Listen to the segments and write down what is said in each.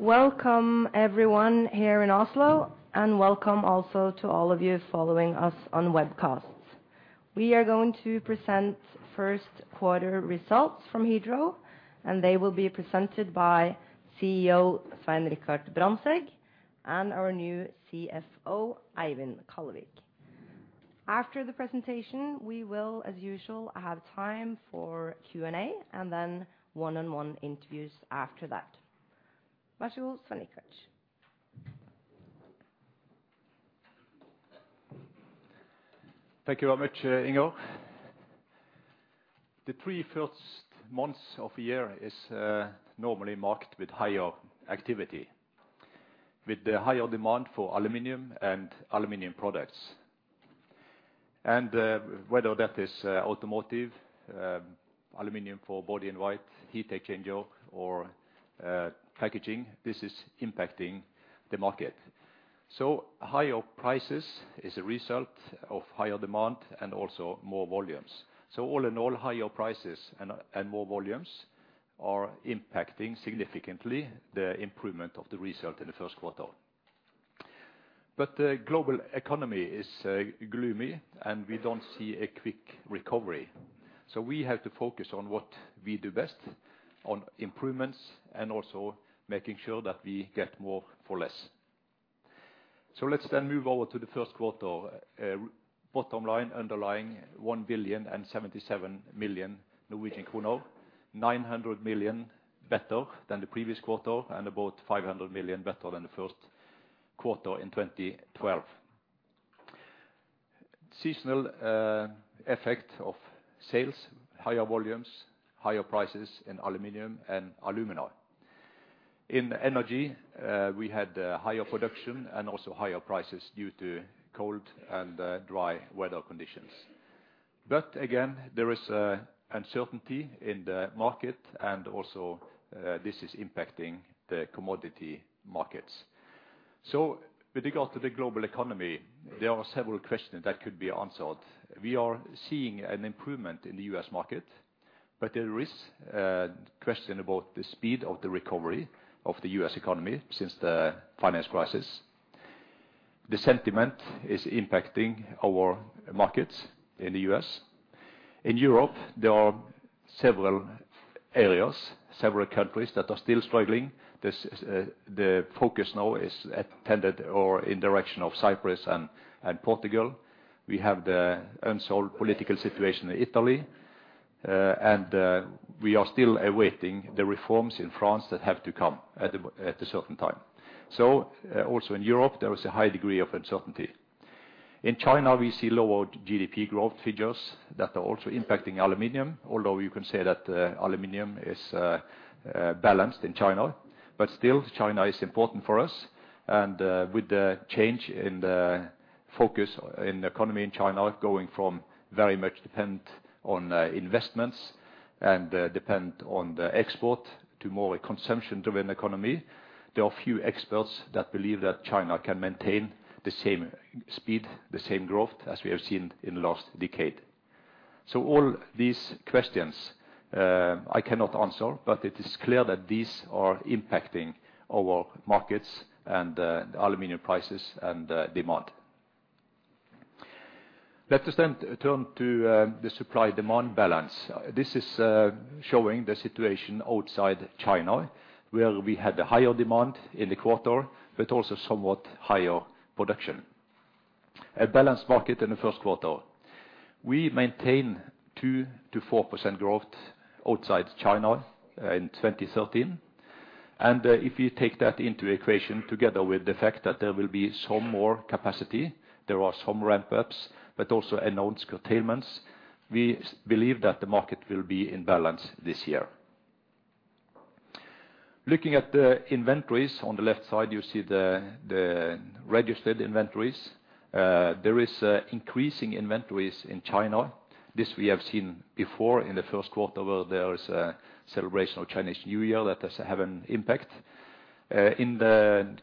Welcome everyone here in Oslo, and welcome also to all of you following us on webcast. We are going to present Q1 results from Hydro, and they will be presented by CEO Svein Richard Brandtzæg, and our new CFO, Eivind Kallevik. After the presentation, we will, as usual, have time for Q&A, and then one-on-one interviews after that. Vær så god, Svein Richard. Thank you very much, Inger. The three first months of the year is normally marked with higher activity, with the higher demand for aluminum and aluminum products. Whether that is automotive, aluminum for body-in-white, heat exchanger, or packaging, this is impacting the market. Higher prices is a result of higher demand and also more volumes. All in all, higher prices and more volumes are impacting significantly the improvement of the result in the Q1. The global economy is gloomy, and we don't see a quick recovery. We have to focus on what we do best, on improvements and also making sure that we get more for less. Let's then move over to the Q1. Bottom line underlying 1,077 million Norwegian kroner, 900 million better than the previous quarter, and about 500 million better than the Q1 in 2012. Seasonal effect of sales, higher volumes, higher prices in aluminum and alumina. In energy, we had higher production and also higher prices due to cold and dry weather conditions. Again, there is uncertainty in the market and also this is impacting the commodity markets. With regard to the global economy, there are several questions that could be answered. We are seeing an improvement in the U.S. market, but there is a question about the speed of the recovery of the U.S. economy since the financial crisis. The sentiment is impacting our markets in the U.S. In Europe, there are several areas, several countries that are still struggling. The focus now is on the attention or in the direction of Cyprus and Portugal. We have the unsolved political situation in Italy, and we are still awaiting the reforms in France that have to come at a certain time. Also in Europe, there is a high degree of uncertainty. In China, we see lower GDP growth figures that are also impacting aluminum, although you can say that aluminum is balanced in China. Still, China is important for us and with the change in the focus in the economy in China going from very much dependent on investments and dependent on exports to a more consumption-driven economy, there are a few experts that believe that China can maintain the same speed, the same growth as we have seen in the last decade. All these questions I cannot answer, but it is clear that these are impacting our markets and the aluminum prices and demand. Let us then turn to the supply-demand balance. This is showing the situation outside China, where we had a higher demand in the quarter, but also somewhat higher production. A balanced market in the Q1. We maintain 2%-4% growth outside China in 2013. If you take that into the equation together with the fact that there will be some more capacity, there are some ramp-ups, but also announced curtailments, we believe that the market will be in balance this year. Looking at the inventories, on the left side, you see the registered inventories. There is increasing inventories in China. This we have seen before in the Q1, where there is a celebration of Chinese New Year that does have an impact. In the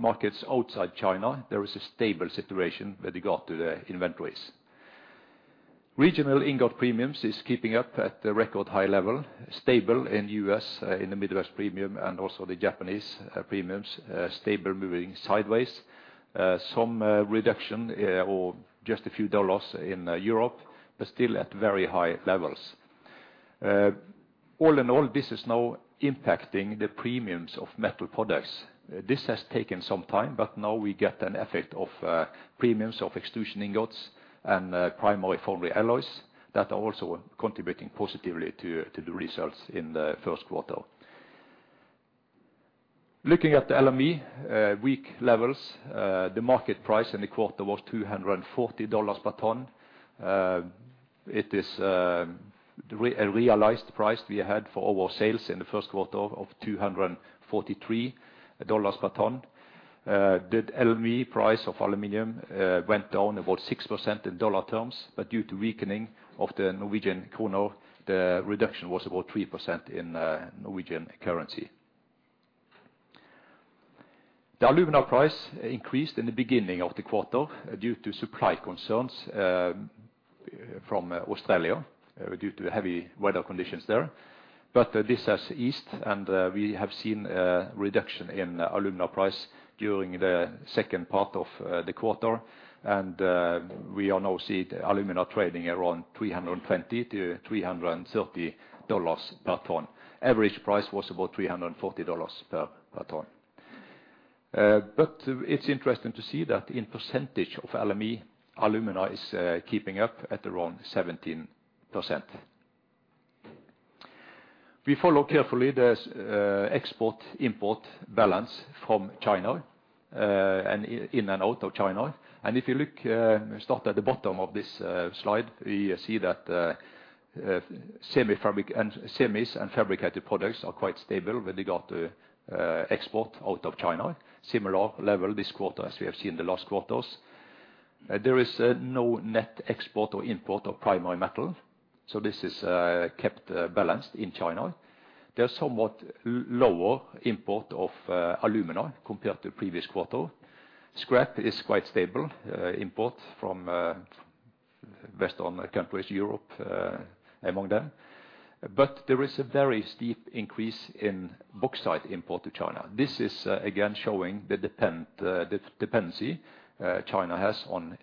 markets outside China, there is a stable situation with regard to the inventories. Regional ingot premiums is keeping up at the record high level, stable in U.S., in the Midwest premium, and also the Japanese premiums, stable moving sideways. Some reduction or just a few dollars in Europe, but still at very high levels. All in all, this is now impacting the premiums of metal products. This has taken some time, but now we get an effect of premiums of extrusion ingots and primary foundry alloys that are also contributing positively to the results in the Q1. Looking at the LME, weak levels, the market price in the quarter was NOK 240 per ton. It is a realized price we had for our sales in the Q1 of NOK 243 per ton. The LME price of aluminum went down about 6% in dollar terms, but due to weakening of the Norwegian krone, the reduction was about 3% in Norwegian currency. The alumina price increased in the beginning of the quarter due to supply concerns from Australia due to the heavy weather conditions there. This has eased, and we have seen a reduction in alumina price during the second part of the quarter. We are now seeing the alumina trading around $320-$330 per ton. Average price was about NOK 340 per ton. It's interesting to see that in percentage of LME, alumina is keeping up at around 17%. We follow carefully the export-import balance from China, and in and out of China. If you look, start at the bottom of this slide, we see that semi-fabricated and semis and fabricated products are quite stable when they got export out of China. Similar level this quarter as we have seen the last quarters. There is no net export or import of primary metal, so this is kept balanced in China. There's somewhat lower import of alumina compared to previous quarter. Scrap is quite stable, import from western countries, Europe, among them. There is a very steep increase in bauxite import to China. This is again showing the dependency China has on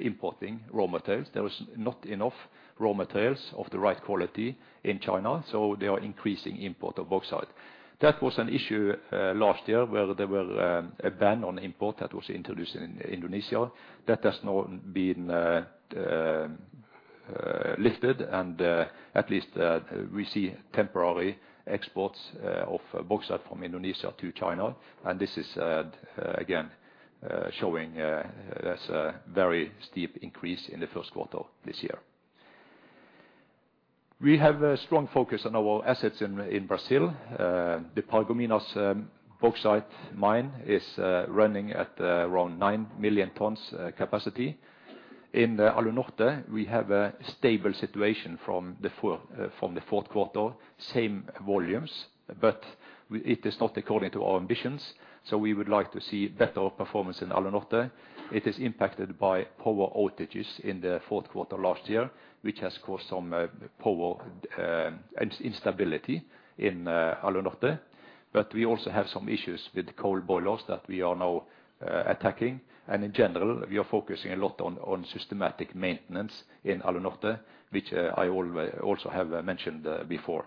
importing raw materials. There is not enough raw materials of the right quality in China, so they are increasing import of bauxite. That was an issue last year where there were a ban on import that was introduced in Indonesia. That has now been lifted, and at least we see temporary exports of bauxite from Indonesia to China. This is again showing that's a very steep increase in the Q1 this year. We have a strong focus on our assets in Brazil. The Paragominas bauxite mine is running at around nine million tons capacity. In Alunorte, we have a stable situation from the Q4, same volumes. It is not according to our ambitions, so we would like to see better performance in Alunorte. It is impacted by power outages in the Q4 last year, which has caused some power instability in Alunorte. We also have some issues with coal boilers that we are now attacking. In general, we are focusing a lot on systematic maintenance in Alunorte, which I also have mentioned before.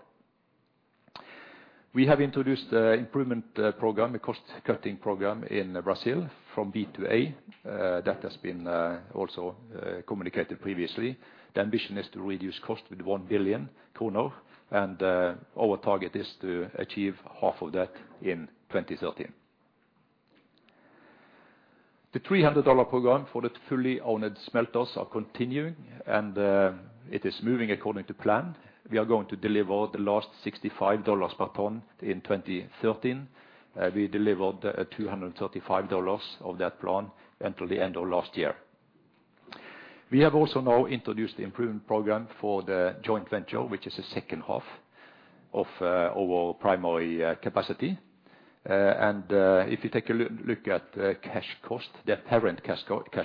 We have introduced an improvement program, a cost-cutting program in Brazil from B2A, that has been also communicated previously. The ambition is to reduce cost with 1 billion kroner, and our target is to achieve half of that in 2030. The NOK 300 program for the fully owned smelters are continuing, and it is moving according to plan. We are going to deliver the last NOK 65 per ton in 2030. We delivered NOK 235 of that plan until the end of last year. We have also now introduced the improvement program for the joint venture, which is the second half of our primary capacity. If you take a look at cash cost, the parent cash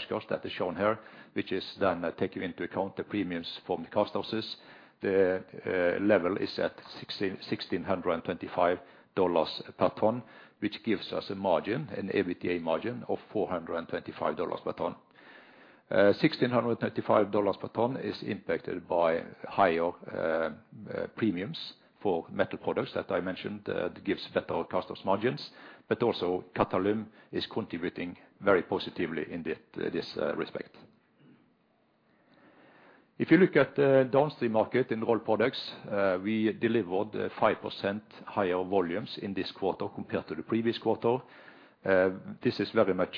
cost that is shown here, which is then taking into account the premiums from the cast houses, the level is at NOK 1,625 per ton, which gives us a margin, an EBITDA margin of NOK 425 per ton. NOK 1,625 per ton is impacted by higher premiums for metal products that I mentioned, that gives better customer margins, but also Qatalum is contributing very positively in this respect. If you look at downstream market in Rolled Products, we delivered 5% higher volumes in this quarter compared to the previous quarter. This is very much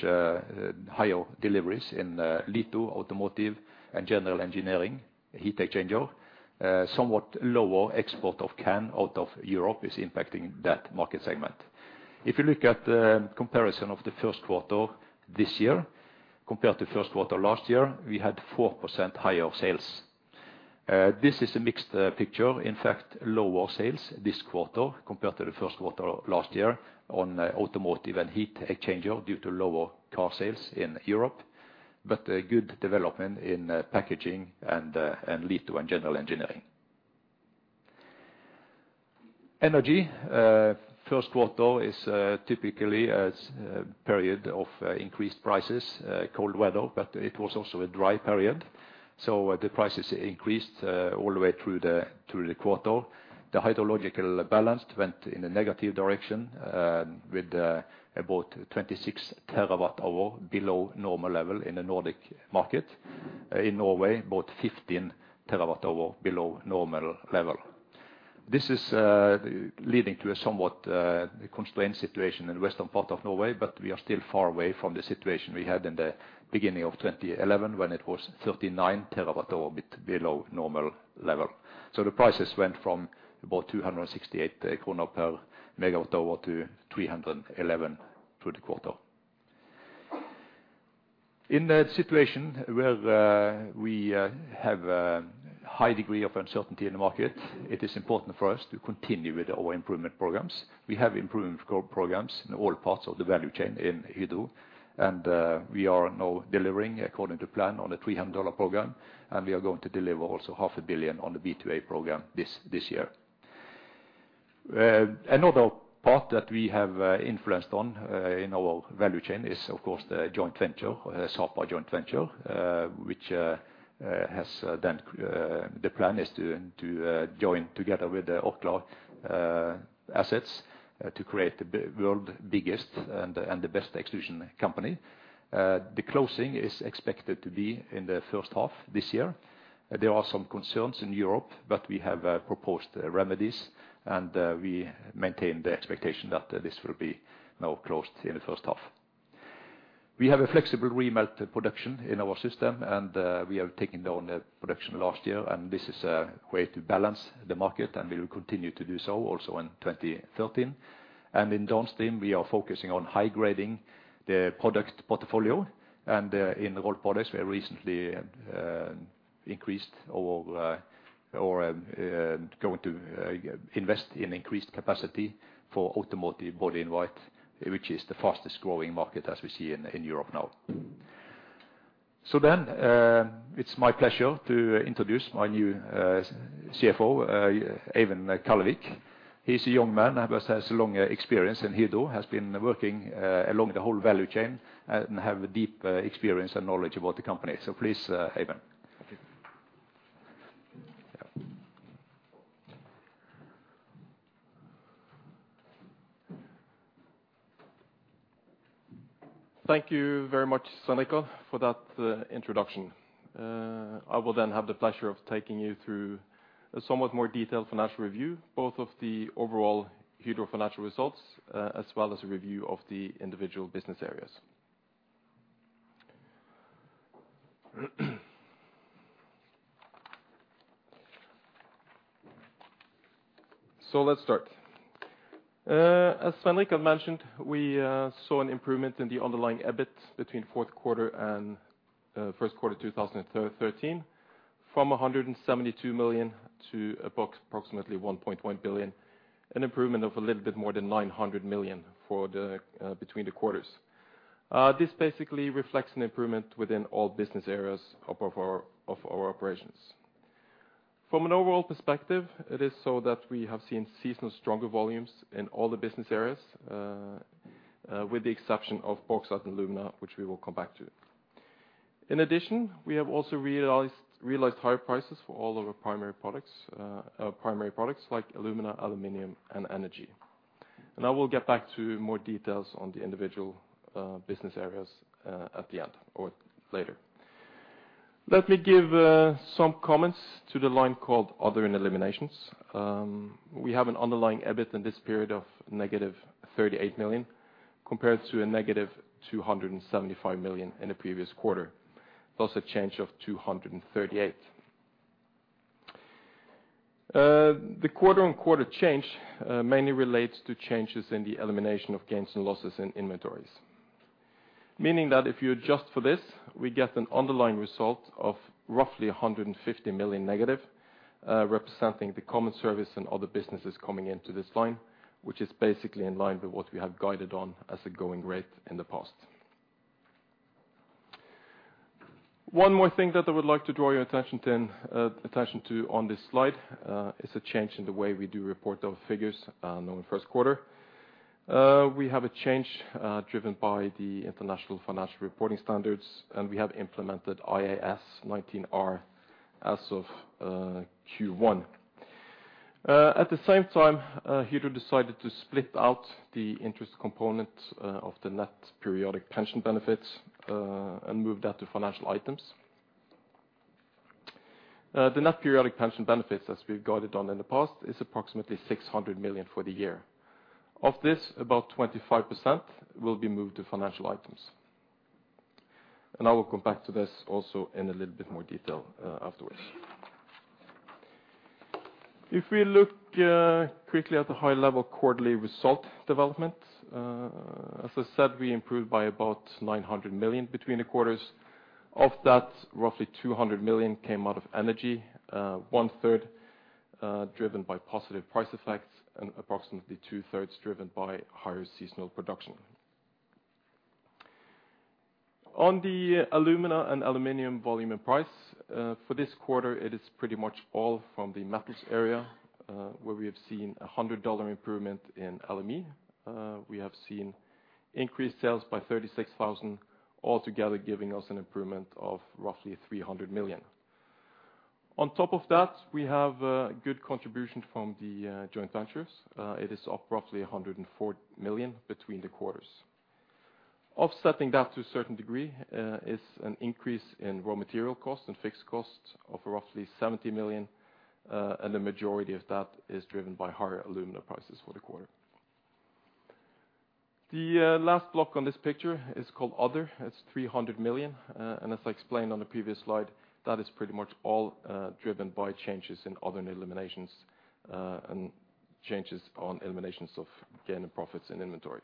higher deliveries in litho, automotive, and general engineering heat exchanger. Somewhat lower export of can sheet out of Europe is impacting that market segment. If you look at comparison of the Q1 this year compared to Q1 last year, we had 4% higher sales. This is a mixed picture, in fact, lower sales this quarter compared to the Q1 last year on automotive and heat exchanger due to lower car sales in Europe, but a good development in packaging and litho and general engineering. Energy, Q1 is typically a period of increased prices, cold weather, but it was also a dry period, so the prices increased all the way through the quarter. The hydrological balance went in a negative direction with about 26 TWh below normal level in the Nordic market. In Norway, about 15 TWh below normal level. This is leading to a somewhat constrained situation in the western part of Norway, but we are still far away from the situation we had in the beginning of 2011 when it was 39 TWh a bit below normal level. The prices went from about 268 krone per MWh to 311 through the quarter. In a situation where we have a high degree of uncertainty in the market, it is important for us to continue with our improvement programs. We have improvement programs in all parts of the value chain in Hydro, and we are now delivering according to plan on the NOK 300 program, and we are going to deliver also 0.5 billion on the B2A program this year. Another part that we have influenced on in our value chain is of course the joint venture, Sapa joint venture, which has then the plan is to join together with the Orkla assets to create the world's biggest and the best extrusion company. The closing is expected to be in the first half this year. There are some concerns in Europe, but we have proposed remedies, and we maintain the expectation that this will be now closed in the first half. We have a flexible remelt production in our system, and we have taken down the production last year, and this is a way to balance the market, and we will continue to do so also in 2013. In downstream, we are focusing on high grading the product portfolio, and in Rolled Products, we are going to invest in increased capacity for automotive body-in-white, which is the fastest-growing market as we see in Europe now. It's my pleasure to introduce my new CFO, Eivind Kallevik. He's a young man but has a long experience in Hydro, has been working along the whole value chain and have a deep experience and knowledge about the company. Please, Eivind. Thank you. Thank you very much, Svein Richard Brandtzæg, for that introduction. I will then have the pleasure of taking you through a somewhat more detailed financial review, both of the overall Hydro financial results, as well as a review of the individual business areas. Let's start. As Svein Richard Brandtzæg mentioned, we saw an improvement in the underlying EBIT between Q4 and Q1 2013, from 172 million to approximately 1.1 billion, an improvement of a little bit more than 900 million between the quarters. This basically reflects an improvement within all business areas of our operations. From an overall perspective, it is so that we have seen seasonal stronger volumes in all the business areas with the exception of Bauxite & Alumina, which we will come back to. In addition, we have also realized higher prices for all of our primary products like alumina, aluminum, and energy. I will get back to more details on the individual business areas at the end or later. Let me give some comments to the line called Other and Eliminations. We have an underlying EBIT in this period of -38 million, compared to a -275 million in the previous quarter, plus a change of 238 million. The quarter-on-quarter change mainly relates to changes in the elimination of gains and losses in inventories, meaning that if you adjust for this, we get an underlying result of roughly -150 million, representing the common service and other businesses coming into this line, which is basically in line with what we have guided on as a going rate in the past. One more thing that I would like to draw your attention to on this slide is a change in the way we do report our figures now in the Q1. We have a change driven by the International Financial Reporting Standards, and we have implemented IAS 19R as of Q1. At the same time, Hydro decided to split out the interest component of the net periodic pension benefits and moved that to financial items. The net periodic pension benefits, as we've guided on in the past, is approximately 600 million for the year. Of this, about 25% will be moved to financial items. I will come back to this also in a little bit more detail afterwards. If we look quickly at the high level quarterly result development, as I said, we improved by about 900 million between the quarters. Of that, roughly 200 million came out of energy, one-third driven by positive price effects and approximately two-thirds driven by higher seasonal production. On the alumina and aluminum volume and price, for this quarter, it is pretty much all from the Metals area, where we have seen a NOK 100 improvement in alumina. We have seen increased sales by 36,000, altogether giving us an improvement of roughly 300 million. On top of that, we have good contribution from the joint ventures. It is up roughly 104 million between the quarters. Offsetting that to a certain degree, is an increase in raw material costs and fixed costs of roughly 70 million, and the majority of that is driven by higher alumina prices for the quarter. The last block on this picture is called Other. It's 300 million, and as I explained on the previous slide, that is pretty much all, driven by changes in other eliminations, and changes on eliminations of gain and profits in inventory.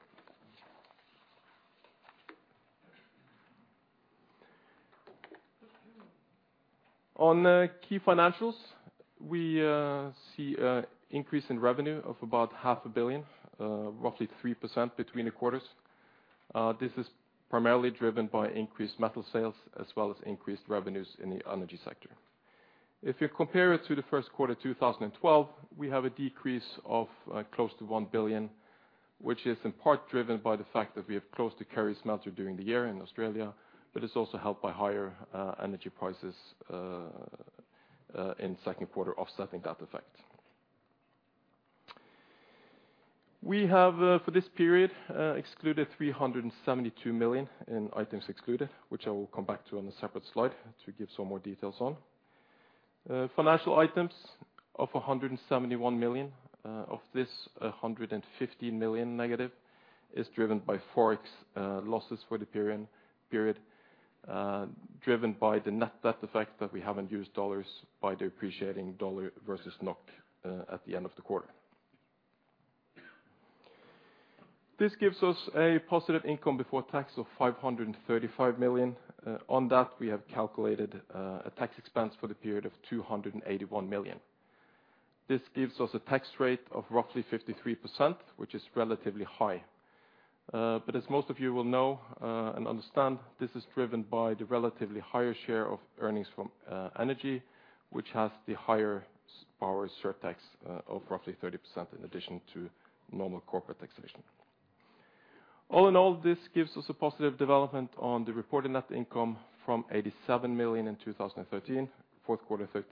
On key financials, we see a increase in revenue of about 0.5 Billion, roughly 3% between the quarters. This is primarily driven by increased metal sales as well as increased revenues in the Energy sector. If you compare it to the Q1 2012, we have a decrease of close to 1 billion, which is in part driven by the fact that we have closed the Kurri Kurri smelter during the year in Australia, but it's also helped by higher energy prices in Q2 offsetting that effect. We have, for this period, excluded 372 million in items excluded, which I will come back to on a separate slide to give some more details on. Financial items of 171 million. Of this, -150 million is driven by Forex losses for the period driven by the net effect that we have net USD by the appreciating US dollar versus NOK at the end of the quarter. This gives us a positive income before tax of 535 million. On that, we have calculated a tax expense for the period of 281 million. This gives us a tax rate of roughly 53%, which is relatively high. As most of you will know, and understand, this is driven by the relatively higher share of earnings from Energy, which has the higher power surtax of roughly 30% in addition to normal corporate taxation. All in all, this gives us a positive development on the reported net income from 87 million in 2012 Q4 to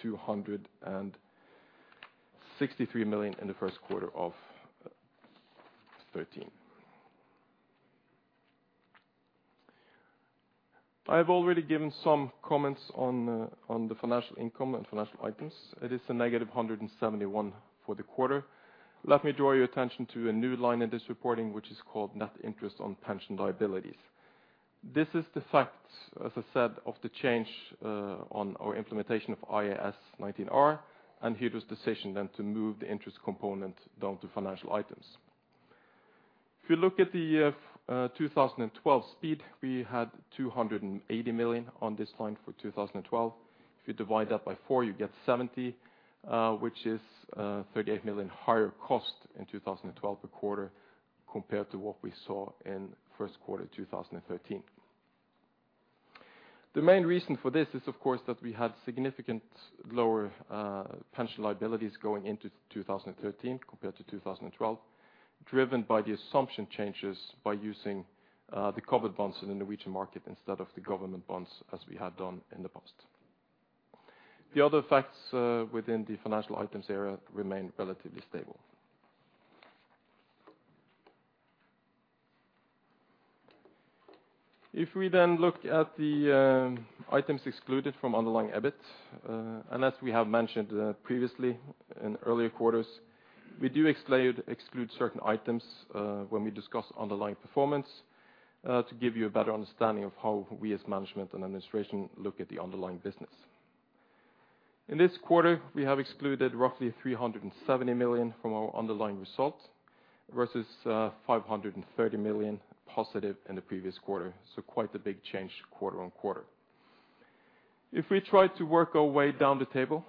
263 million in the Q1 of 2013. I have already given some comments on the financial income and financial items. It is -171 million for the quarter. Let me draw your attention to a new line in this reporting, which is called net interest on pension liabilities. This is the fact, as I said, of the change on our implementation of IAS 19R, and here it was decision then to move the interest component down to financial items. If you look at the 2012 spread, we had 280 million on this line for 2012. If you divide that by four, you get 70, which is 38 million higher cost in 2012 per quarter compared to what we saw in first quarter 2013. The main reason for this is of course that we had significant lower pension liabilities going into 2013 compared to 2012, driven by the assumption changes by using the covered bonds in the Norwegian market instead of the government bonds as we had done in the past. The other effects within the financial items area remain relatively stable. If we then look at the items excluded from underlying EBIT, and as we have mentioned previously in earlier quarters, we do exclude certain items when we discuss underlying performance to give you a better understanding of how we as management and administration look at the underlying business. In this quarter, we have excluded roughly 370 million from our underlying result versus 530 million positive in the previous quarter, so quite a big change quarter-over-quarter. If we try to work our way down the table,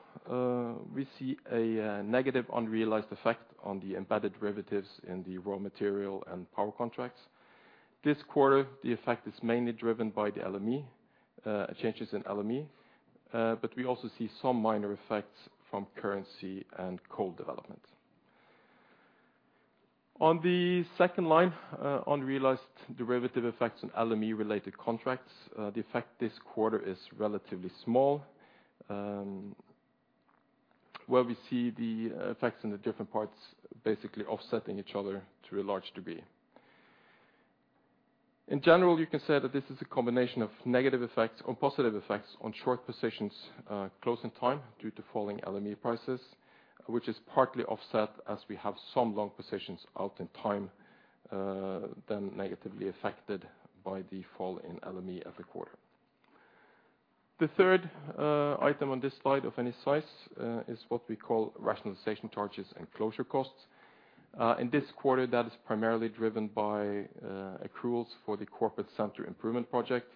we see a negative unrealized effect on the embedded derivatives in the raw material and power contracts. This quarter, the effect is mainly driven by the LME, changes in LME, but we also see some minor effects from currency and coal development. On the second line, unrealized derivative effects on LME related contracts, the effect this quarter is relatively small. Where we see the effects in the different parts basically offsetting each other to a large degree. In general, you can say that this is a combination of negative effects or positive effects on short positions, close in time due to falling LME prices, which is partly offset as we have some long positions out in time, then negatively affected by the fall in LME every quarter. The third item on this slide of any size is what we call rationalization charges and closure costs. In this quarter, that is primarily driven by accruals for the corporate center improvement project,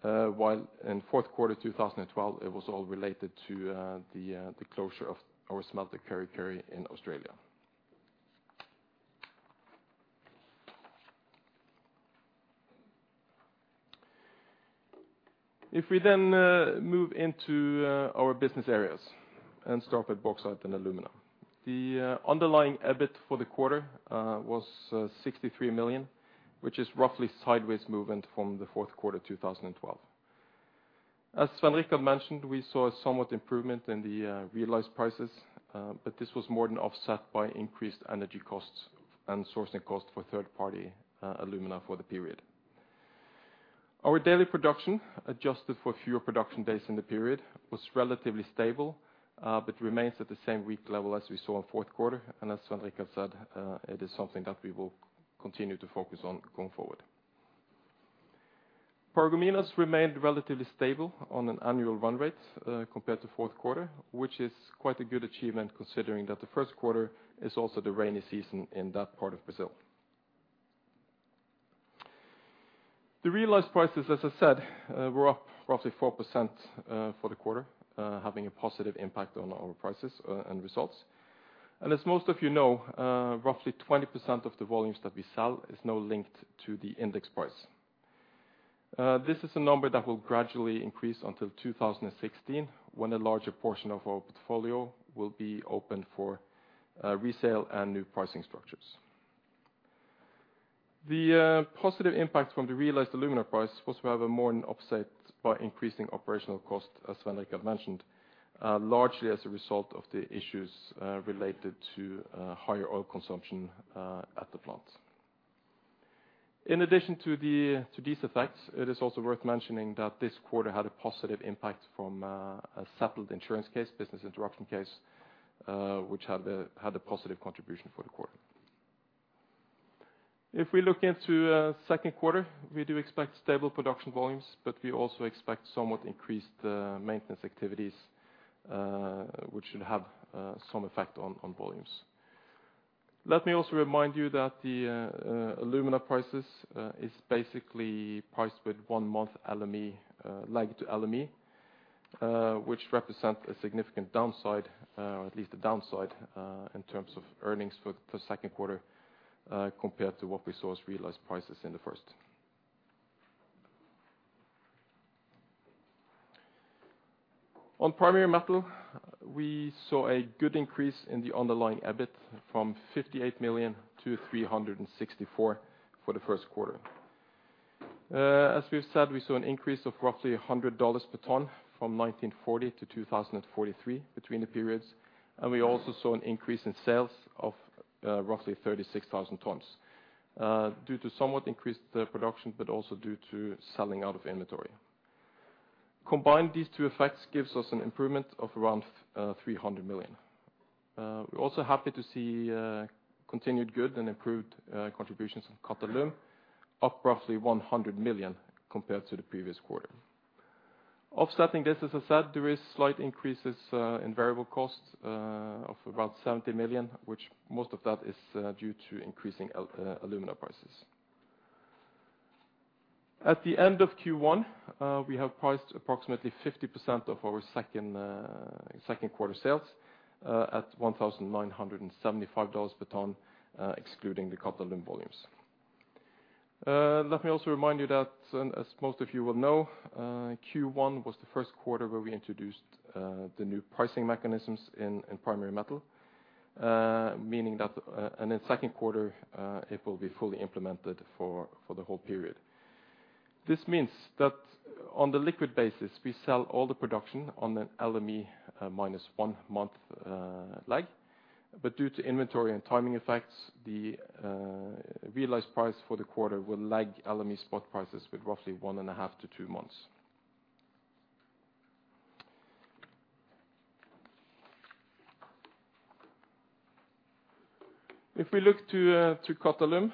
while in fourth quarter 2012, it was all related to the closure of our smelter Kurri Kurri in Australia. If we then move into our business areas and start with Bauxite and Alumina. The underlying EBIT for the quarter was 63 million, which is roughly sideways movement from the fourth quarter 2012. As Svein Richard Brandtzæg mentioned, we saw a somewhat improvement in the realized prices, but this was more than offset by increased energy costs and sourcing costs for third-party alumina for the period. Our daily production, adjusted for fewer production days in the period, was relatively stable, but remains at the same weak level as we saw in fourth quarter. As Svein Richard Brandtzæg said, it is something that we will continue to focus on going forward. Paragominas remained relatively stable on an annual run rate, compared to fourth quarter, which is quite a good achievement considering that the first quarter is also the rainy season in that part of Brazil. The realized prices, as I said, were up roughly 4%, for the quarter, having a positive impact on our prices, and results. As most of you know, roughly 20% of the volumes that we sell is now linked to the index price. This is a number that will gradually increase until 2016 when a larger portion of our portfolio will be open for, resale and new pricing structures. The positive impact from the realized alumina price was rather more than offset by increasing operational costs, as Svenn-Åge mentioned, largely as a result of the issues related to higher oil consumption at the plant. In addition to these effects, it is also worth mentioning that this quarter had a positive impact from a settled insurance case, business interruption case, which had a positive contribution for the quarter. If we look into second quarter, we do expect stable production volumes, but we also expect somewhat increased maintenance activities, which should have some effect on volumes. Let me also remind you that the alumina prices is basically priced with one month LME lag to LME, which represent a significant downside, or at least a downside, in terms of earnings for the second quarter, compared to what we saw as realized prices in the first. On Primary Metal, we saw a good increase in the underlying EBIT from 58 million to 364 million for the first quarter. As we've said, we saw an increase of roughly NOK 100 per ton from 1,940 to 2,043 between the periods. We also saw an increase in sales of roughly 36,000 tons, due to somewhat increased production, but also due to selling out of inventory. Combined, these two effects gives us an improvement of around 300 million. We're also happy to see continued good and improved contributions from Qatalum, up roughly 100 million compared to the previous quarter. Offsetting this, as I said, there is slight increases in variable costs of about 70 million, which most of that is due to increasing alumina prices. At the end of Q1, we have priced approximately 50% of our second quarter sales at NOK 1,975 per ton, excluding the Qatalum volumes. Let me also remind you that, as most of you will know, Q1 was the first quarter where we introduced the new pricing mechanisms in Primary Metal. Meaning that, in second quarter, it will be fully implemented for the whole period. This means that on the liquid basis, we sell all the production on an LME one month lag. Due to inventory and timing effects, the realized price for the quarter will lag LME spot prices with roughly 1.5 to two months. If we look to Qatalum,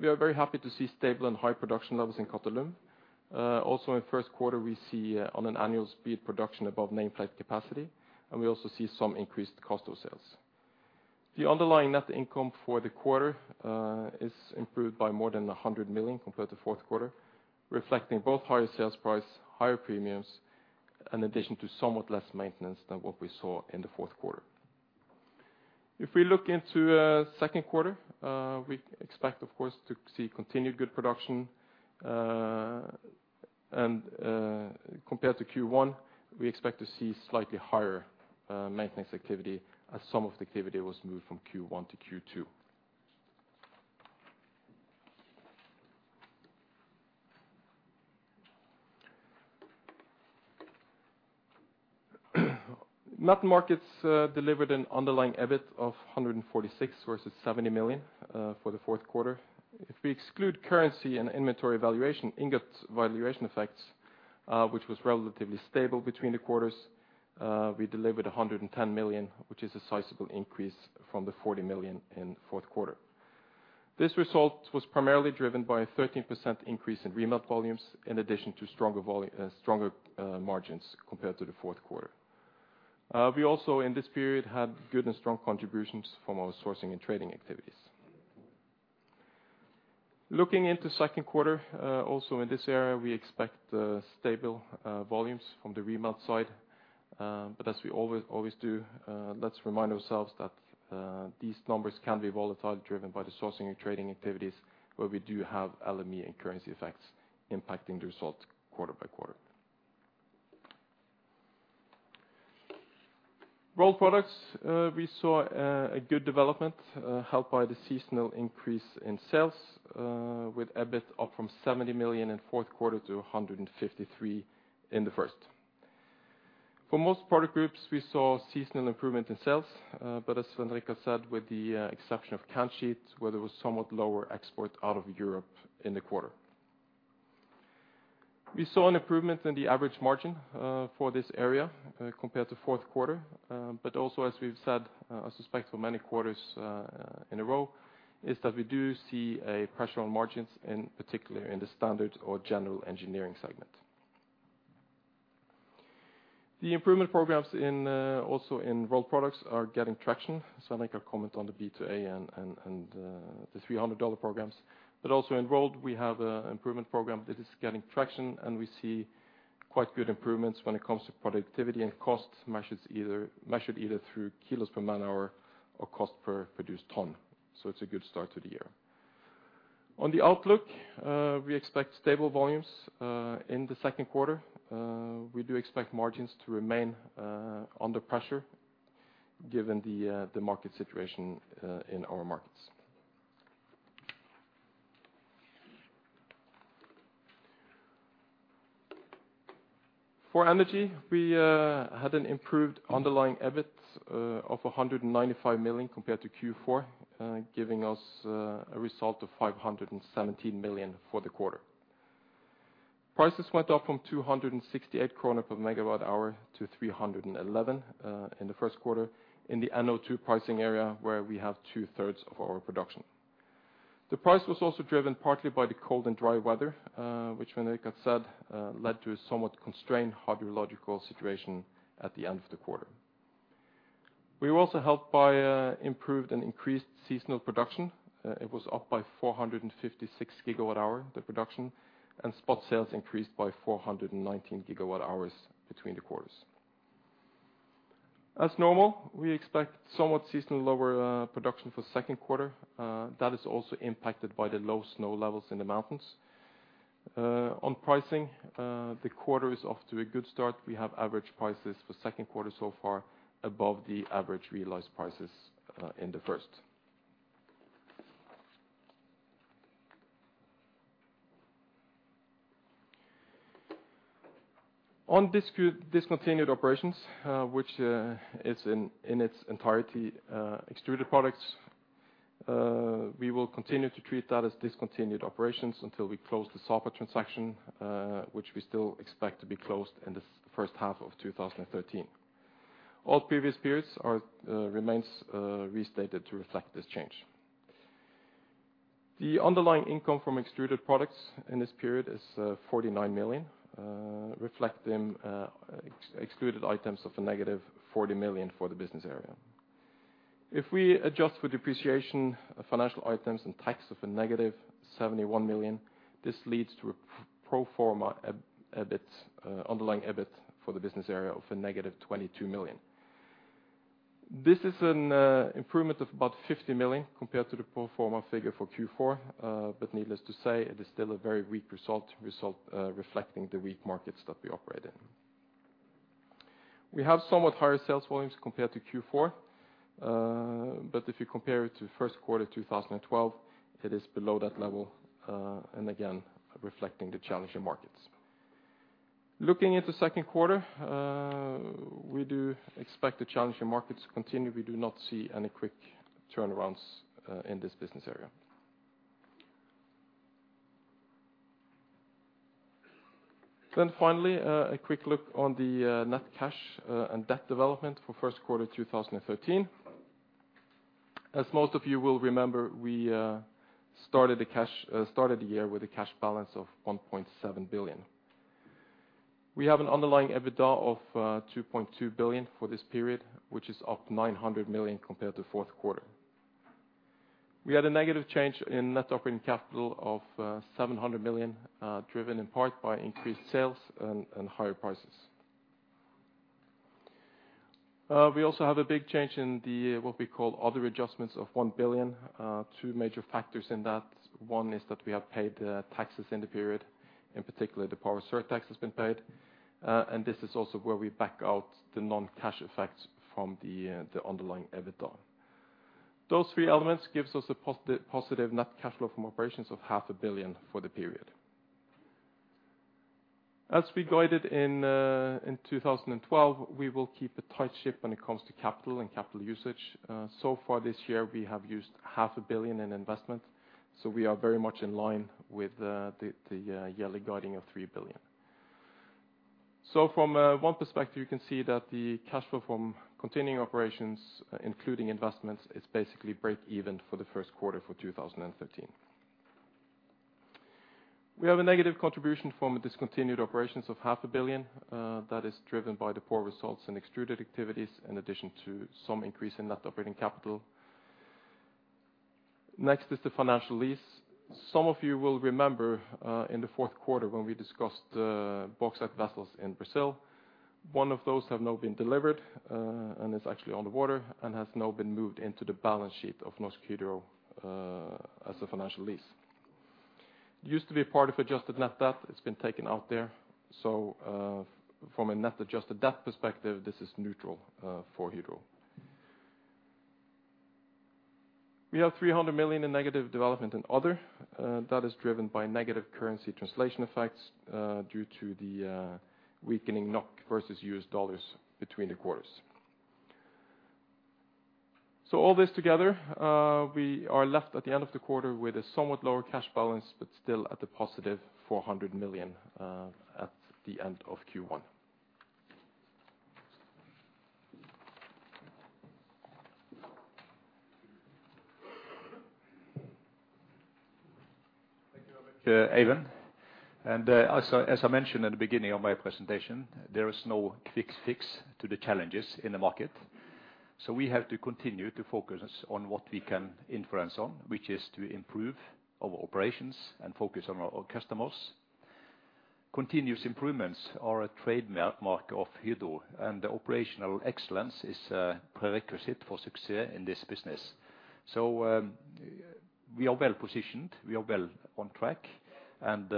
we are very happy to see stable and high production levels in Qatalum. Also, in first quarter, we see on an annualized basis production above nameplate capacity, and we also see some increased cost of sales. The underlying net income for the quarter is improved by more than 100 million compared to fourth quarter, reflecting both higher sales price, higher premiums, in addition to somewhat less maintenance than what we saw in the fourth quarter. If we look into second quarter, we expect, of course, to see continued good production. Compared to Q1, we expect to see slightly higher maintenance activity as some of the activity was moved from Q1 to Q2. Metal Markets delivered an underlying EBIT of 146 million versus 70 million for the fourth quarter. If we exclude currency and inventory valuation, ingot valuation effects, which was relatively stable between the quarters, we delivered 110 million, which is a sizable increase from the 40 million in fourth quarter. This result was primarily driven by a 13% increase in remelt volumes in addition to stronger margins compared to the fourth quarter. We also, in this period, had good and strong contributions from our sourcing and trading activities. Looking into second quarter, also in this area, we expect stable volumes from the remelt side. As we always do, let's remind ourselves that these numbers can be volatile, driven by the sourcing and trading activities, where we do have LME and currency effects impacting the results quarter-by-quarter. Rolled Products, we saw a good development, helped by the seasonal increase in sales, with EBIT up from 70 million in fourth quarter to 153 million in the first. For most product groups, we saw seasonal improvement in sales, but as Svein Richard Brandtzæg said, with the exception of can sheet, where there was somewhat lower export out of Europe in the quarter. We saw an improvement in the average margin, for this area, compared to fourth quarter. As we've said, I suspect for many quarters in a row is that we do see a pressure on margins, in particular in the standard or general engineering segment. The improvement programs in also in Rolled Products are getting traction. I'll make a comment on the B2A and the 300 programs. In Rolled, we have a improvement program that is getting traction, and we see quite good improvements when it comes to productivity and costs matches measured either through kilos per man hour or cost per produced ton. It's a good start to the year. On the outlook, we expect stable volumes in the second quarter. We do expect margins to remain under pressure given the market situation in our markets. For Energy, we had an improved underlying EBIT of 195 million compared to Q4, giving us a result of 517 million for the quarter. Prices went up from 268 krone per MWh to 311 in the first quarter in the NO2 pricing area where we have two-thirds of our production. The price was also driven partly by the cold and dry weather, which when it got so, led to a somewhat constrained hydrological situation at the end of the quarter. We were also helped by improved and increased seasonal production. It was up by 456 GWh, the production, and spot sales increased by 419 GWh between the quarters. As normal, we expect somewhat seasonal lower production for second quarter that is also impacted by the low snow levels in the mountains. On pricing, the quarter is off to a good start. We have average prices for second quarter so far above the average realized prices in the first. On discontinued operations, which is in its entirety Extruded Products, we will continue to treat that as discontinued operations until we close the Sapa transaction, which we still expect to be closed in the first half of 2013. All previous periods remain restated to reflect this change. The underlying income from Extruded Products in this period is 49 million, reflecting excluded items of a -40 million for the business area. If we adjust for depreciation of financial items and tax of -71 million, this leads to a pro forma EBIT, underlying EBIT for the business area of -22 million. This is an improvement of about 50 million compared to the pro forma figure for Q4. Needless to say, it is still a very weak result, reflecting the weak markets that we operate in. We have somewhat higher sales volumes compared to Q4, but if you compare it to first quarter 2012, it is below that level, and again reflecting the challenging markets. Looking at the second quarter, we do expect the challenging markets to continue. We do not see any quick turnarounds in this business area. Finally, a quick look on the net cash and debt development for first quarter 2013. As most of you will remember, we started the year with a cash balance of 1.7 billion. We have an underlying EBITDA of 2.2 billion for this period, which is up 900 million compared to fourth quarter. We had a negative change in net operating capital of 700 million, driven in part by increased sales and higher prices. We also have a big change in what we call other adjustments of 1 billion. Two major factors in that. One is that we have paid taxes in the period, in particular, the power surtax has been paid. This is also where we back out the non-cash effects from the underlying EBITDA. Those three elements gives us a positive net cash flow from operations of 0.5 Billion for the period. As we guided in 2012, we will keep a tight ship when it comes to capital and capital usage. So far this year, we have used 0.5 Billion in investment, so we are very much in line with the yearly guiding of 3 billion. From one perspective, you can see that the cash flow from continuing operations, including investments, is basically break even for the first quarter for 2013. We have a negative contribution from the discontinued operations of 0.5 billion, that is driven by the poor results in extruded activities in addition to some increase in net operating capital. Next is the financial lease. Some of you will remember, in the fourth quarter when we discussed, bauxite vessels in Brazil. One of those have now been delivered, and is actually on the water, and has now been moved into the balance sheet of Norsk Hydro, as a financial lease. Used to be part of adjusted net debt. It's been taken out there. From a net adjusted debt perspective, this is neutral, for Hydro. We have 300 million in negative development and other, that is driven by negative currency translation effects, due to the weakening NOK versus U.S. dollars between the quarters. All this together, we are left at the end of the quarter with a somewhat lower cash balance, but still at a positive 400 million at the end of Q1. Eivind, as I mentioned at the beginning of my presentation, there is no quick fix to the challenges in the market, so we have to continue to focus on what we can influence on, which is to improve our operations and focus on our customers. Continuous improvements are a trademark of Hydro, and operational excellence is a prerequisite for success in this business. We are well positioned. We are well on track, and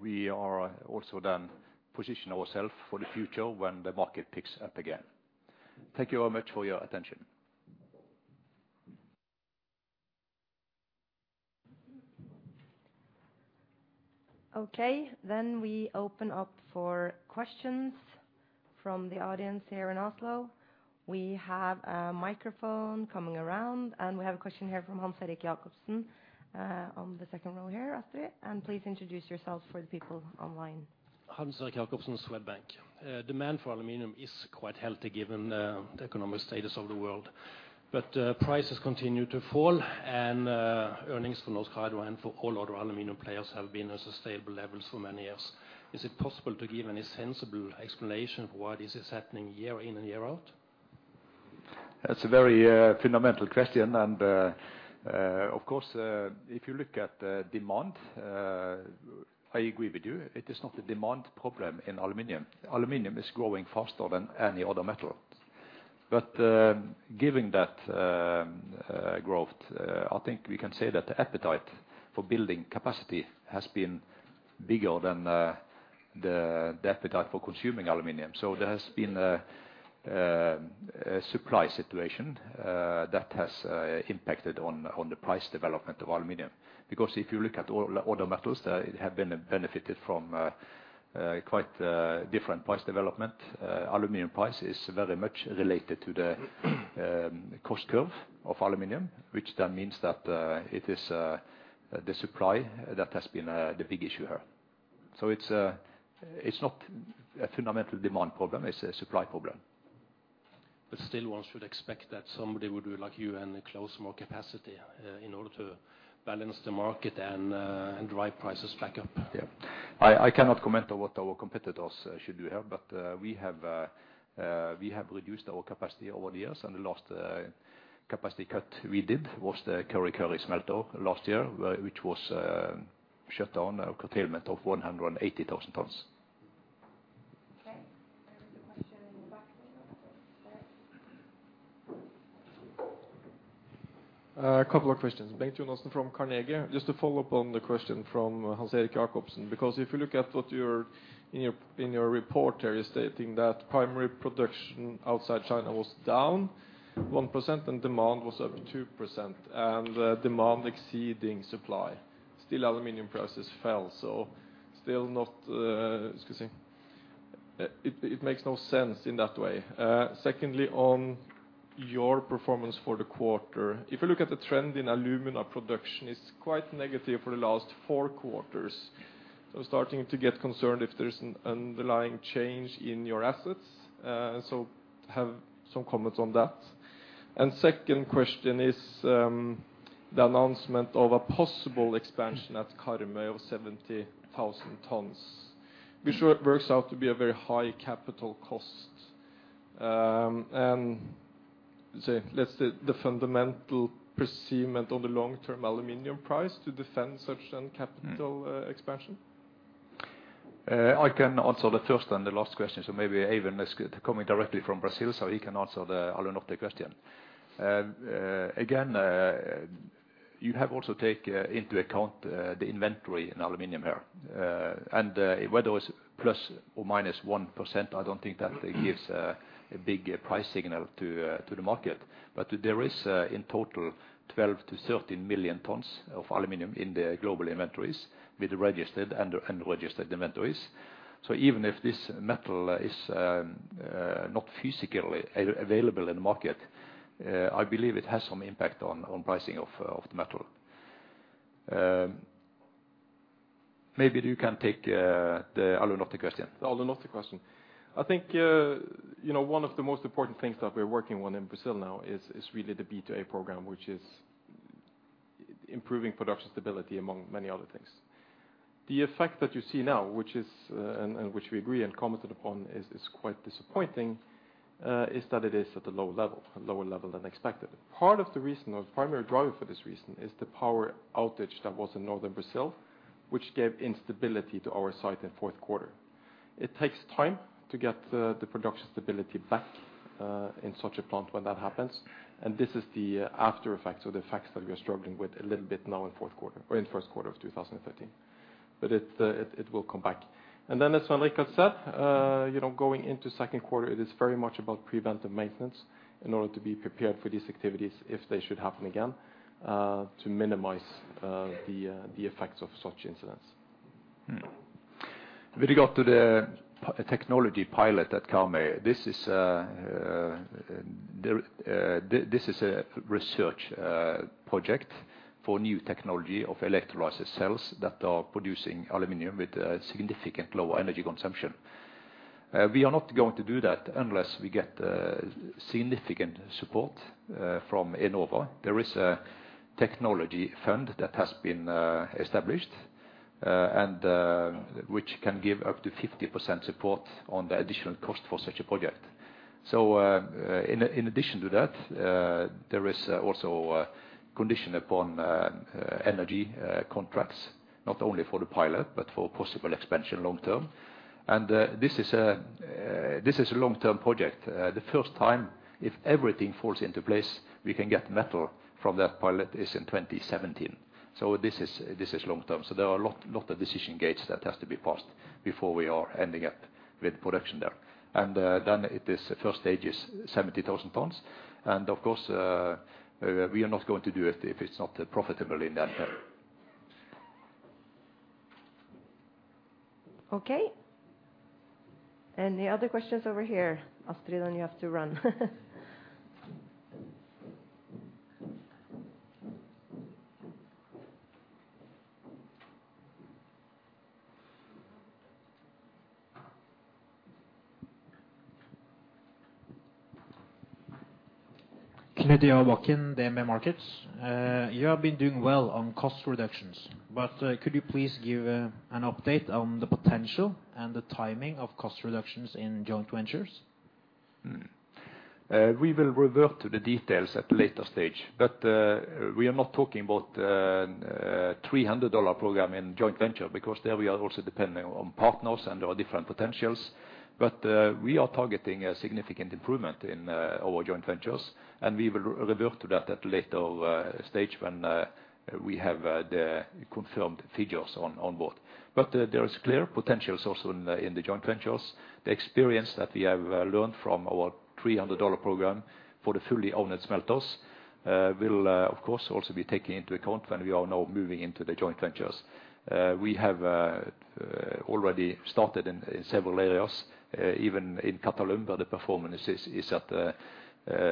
we are also then position ourself for the future when the market picks up again. Thank you very much for your attention. Okay, we open up for questions from the audience here in Oslo. We have a microphone coming around, and we have a question here from Hans-Erik Jacobsen on the second row here, Astrid. Please introduce yourself for the people online. Hans-Erik Jacobsen, Swedbank. Demand for aluminum is quite healthy given the economic status of the world. Prices continue to fall and earnings from Norsk Hydro and for all other aluminum players have been at a sustainable level so many years. Is it possible to give any sensible explanation for why this is happening year in and year out? That's a very fundamental question, and of course, if you look at demand, I agree with you. It is not a demand problem in aluminum. Aluminum is growing faster than any other metal. Given that growth, I think we can say that the appetite for building capacity has been bigger than the appetite for consuming aluminum. There has been a supply situation that has impacted on the price development of aluminum. Because if you look at all other metals, they have benefited from quite different price development. Aluminum price is very much related to the cost curve of aluminum, which then means that it is the supply that has been the big issue here. It's not a fundamental demand problem. It's a supply problem. Still one should expect that somebody would be like you and close more capacity, in order to balance the market and drive prices back up. Yeah. I cannot comment on what our competitors should do here, but we have reduced our capacity over the years. The last capacity cut we did was the Kurri Kurri smelter last year, which was shut down, a curtailment of 180,000 tons. Okay, there is a question in the back. A couple of questions. Bengt Jonassen from Carnegie. Just to follow up on the question from Hans-Erik Jacobsen, because if you look at, in your report, you're stating that primary production outside China was down 1% and demand was up 2%, and demand exceeding supply. Still, aluminum prices fell, so still not because it makes no sense in that way. Secondly, on your performance for the quarter, if you look at the trend in alumina production, it's quite negative for the last four quarters. I'm starting to get concerned if there's an underlying change in your assets. Have some comments on that. Second question is the announcement of a possible expansion at Karmøy of 70,000 tons, which works out to be a very high capital cost. Let's say, the fundamental precedent on the long-term aluminum price to defend such a capital expansion. I can answer the first and the last question, so maybe Eivind is coming directly from Brazil, so he can answer the Alunorte question. Again, you also have to take into account the inventory in aluminum here. Whether it's ±1%, I don't think that gives a big price signal to the market. There is in total 12 to 13 million tons of aluminum in the global inventories with registered and unregistered inventories. Even if this metal is not physically available in the market, I believe it has some impact on pricing of the metal. Maybe you can take the Alunorte question. The Alunorte question. I think, you know, one of the most important things that we're working on in Brazil now is really the B2A program, which is improving production stability among many other things. The effect that you see now, which we agree and commented upon is quite disappointing, is that it is at a low level, lower level than expected. Part of the reason or primary driver for this reason is the power outage that was in Northern Brazil, which gave instability to our site in fourth quarter. It takes time to get the production stability back, in such a plant when that happens. This is the after effects or the effects that we are struggling with a little bit now in fourth quarter or in first quarter of 2013. It will come back. As Svein Richard Brandtzæg said, you know, going into second quarter, it is very much about preventive maintenance in order to be prepared for these activities if they should happen again, to minimize the effects of such incidents. With regard to the technology pilot at Karmøy, this is a research project for new technology of electrolysis cells that are producing aluminum with a significant lower energy consumption. We are not going to do that unless we get significant support from Enova. There is a technology fund that has been established, and which can give up to 50% support on the additional cost for such a project. In addition to that, there is also a condition upon energy contracts, not only for the pilot, but for possible expansion long term. This is a long-term project. The first time, if everything falls into place, we can get metal from that pilot is in 2017. This is long term. There are a lot of decision gates that has to be passed before we are ending up with production there. The first stage is 70,000 tons. Of course, we are not going to do it if it's not profitable in that term. Okay. Any other questions over here? Astrid, you have to run. Knud A. Bakken, DNB Markets. You have been doing well on cost reductions, but could you please give an update on the potential and the timing of cost reductions in joint ventures? We will revert to the details at a later stage. We are not talking about a 300 program in joint venture, because there we are also dependent on partners and there are different potentials. We are targeting a significant improvement in our joint ventures, and we will revert to that at a later stage when we have the confirmed figures on board. There is clear potentials also in the joint ventures. The experience that we have learned from our 300 program for the fully owned smelters will, of course, also be taken into account when we are now moving into the joint ventures. We have already started in several areas, even in Qatalum, where the performance is at the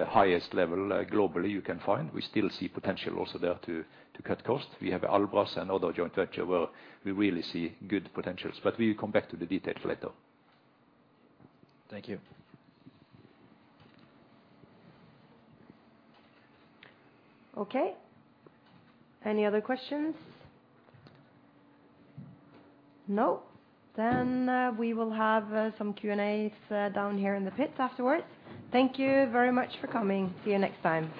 highest level globally you can find. We still see potential also there to cut costs. We have Albras, another joint venture where we really see good potentials. We will come back to the details later. Thank you. Okay. Any other questions? No. We will have some Q&As down here in the pits afterwards. Thank you very much for coming. See you next time.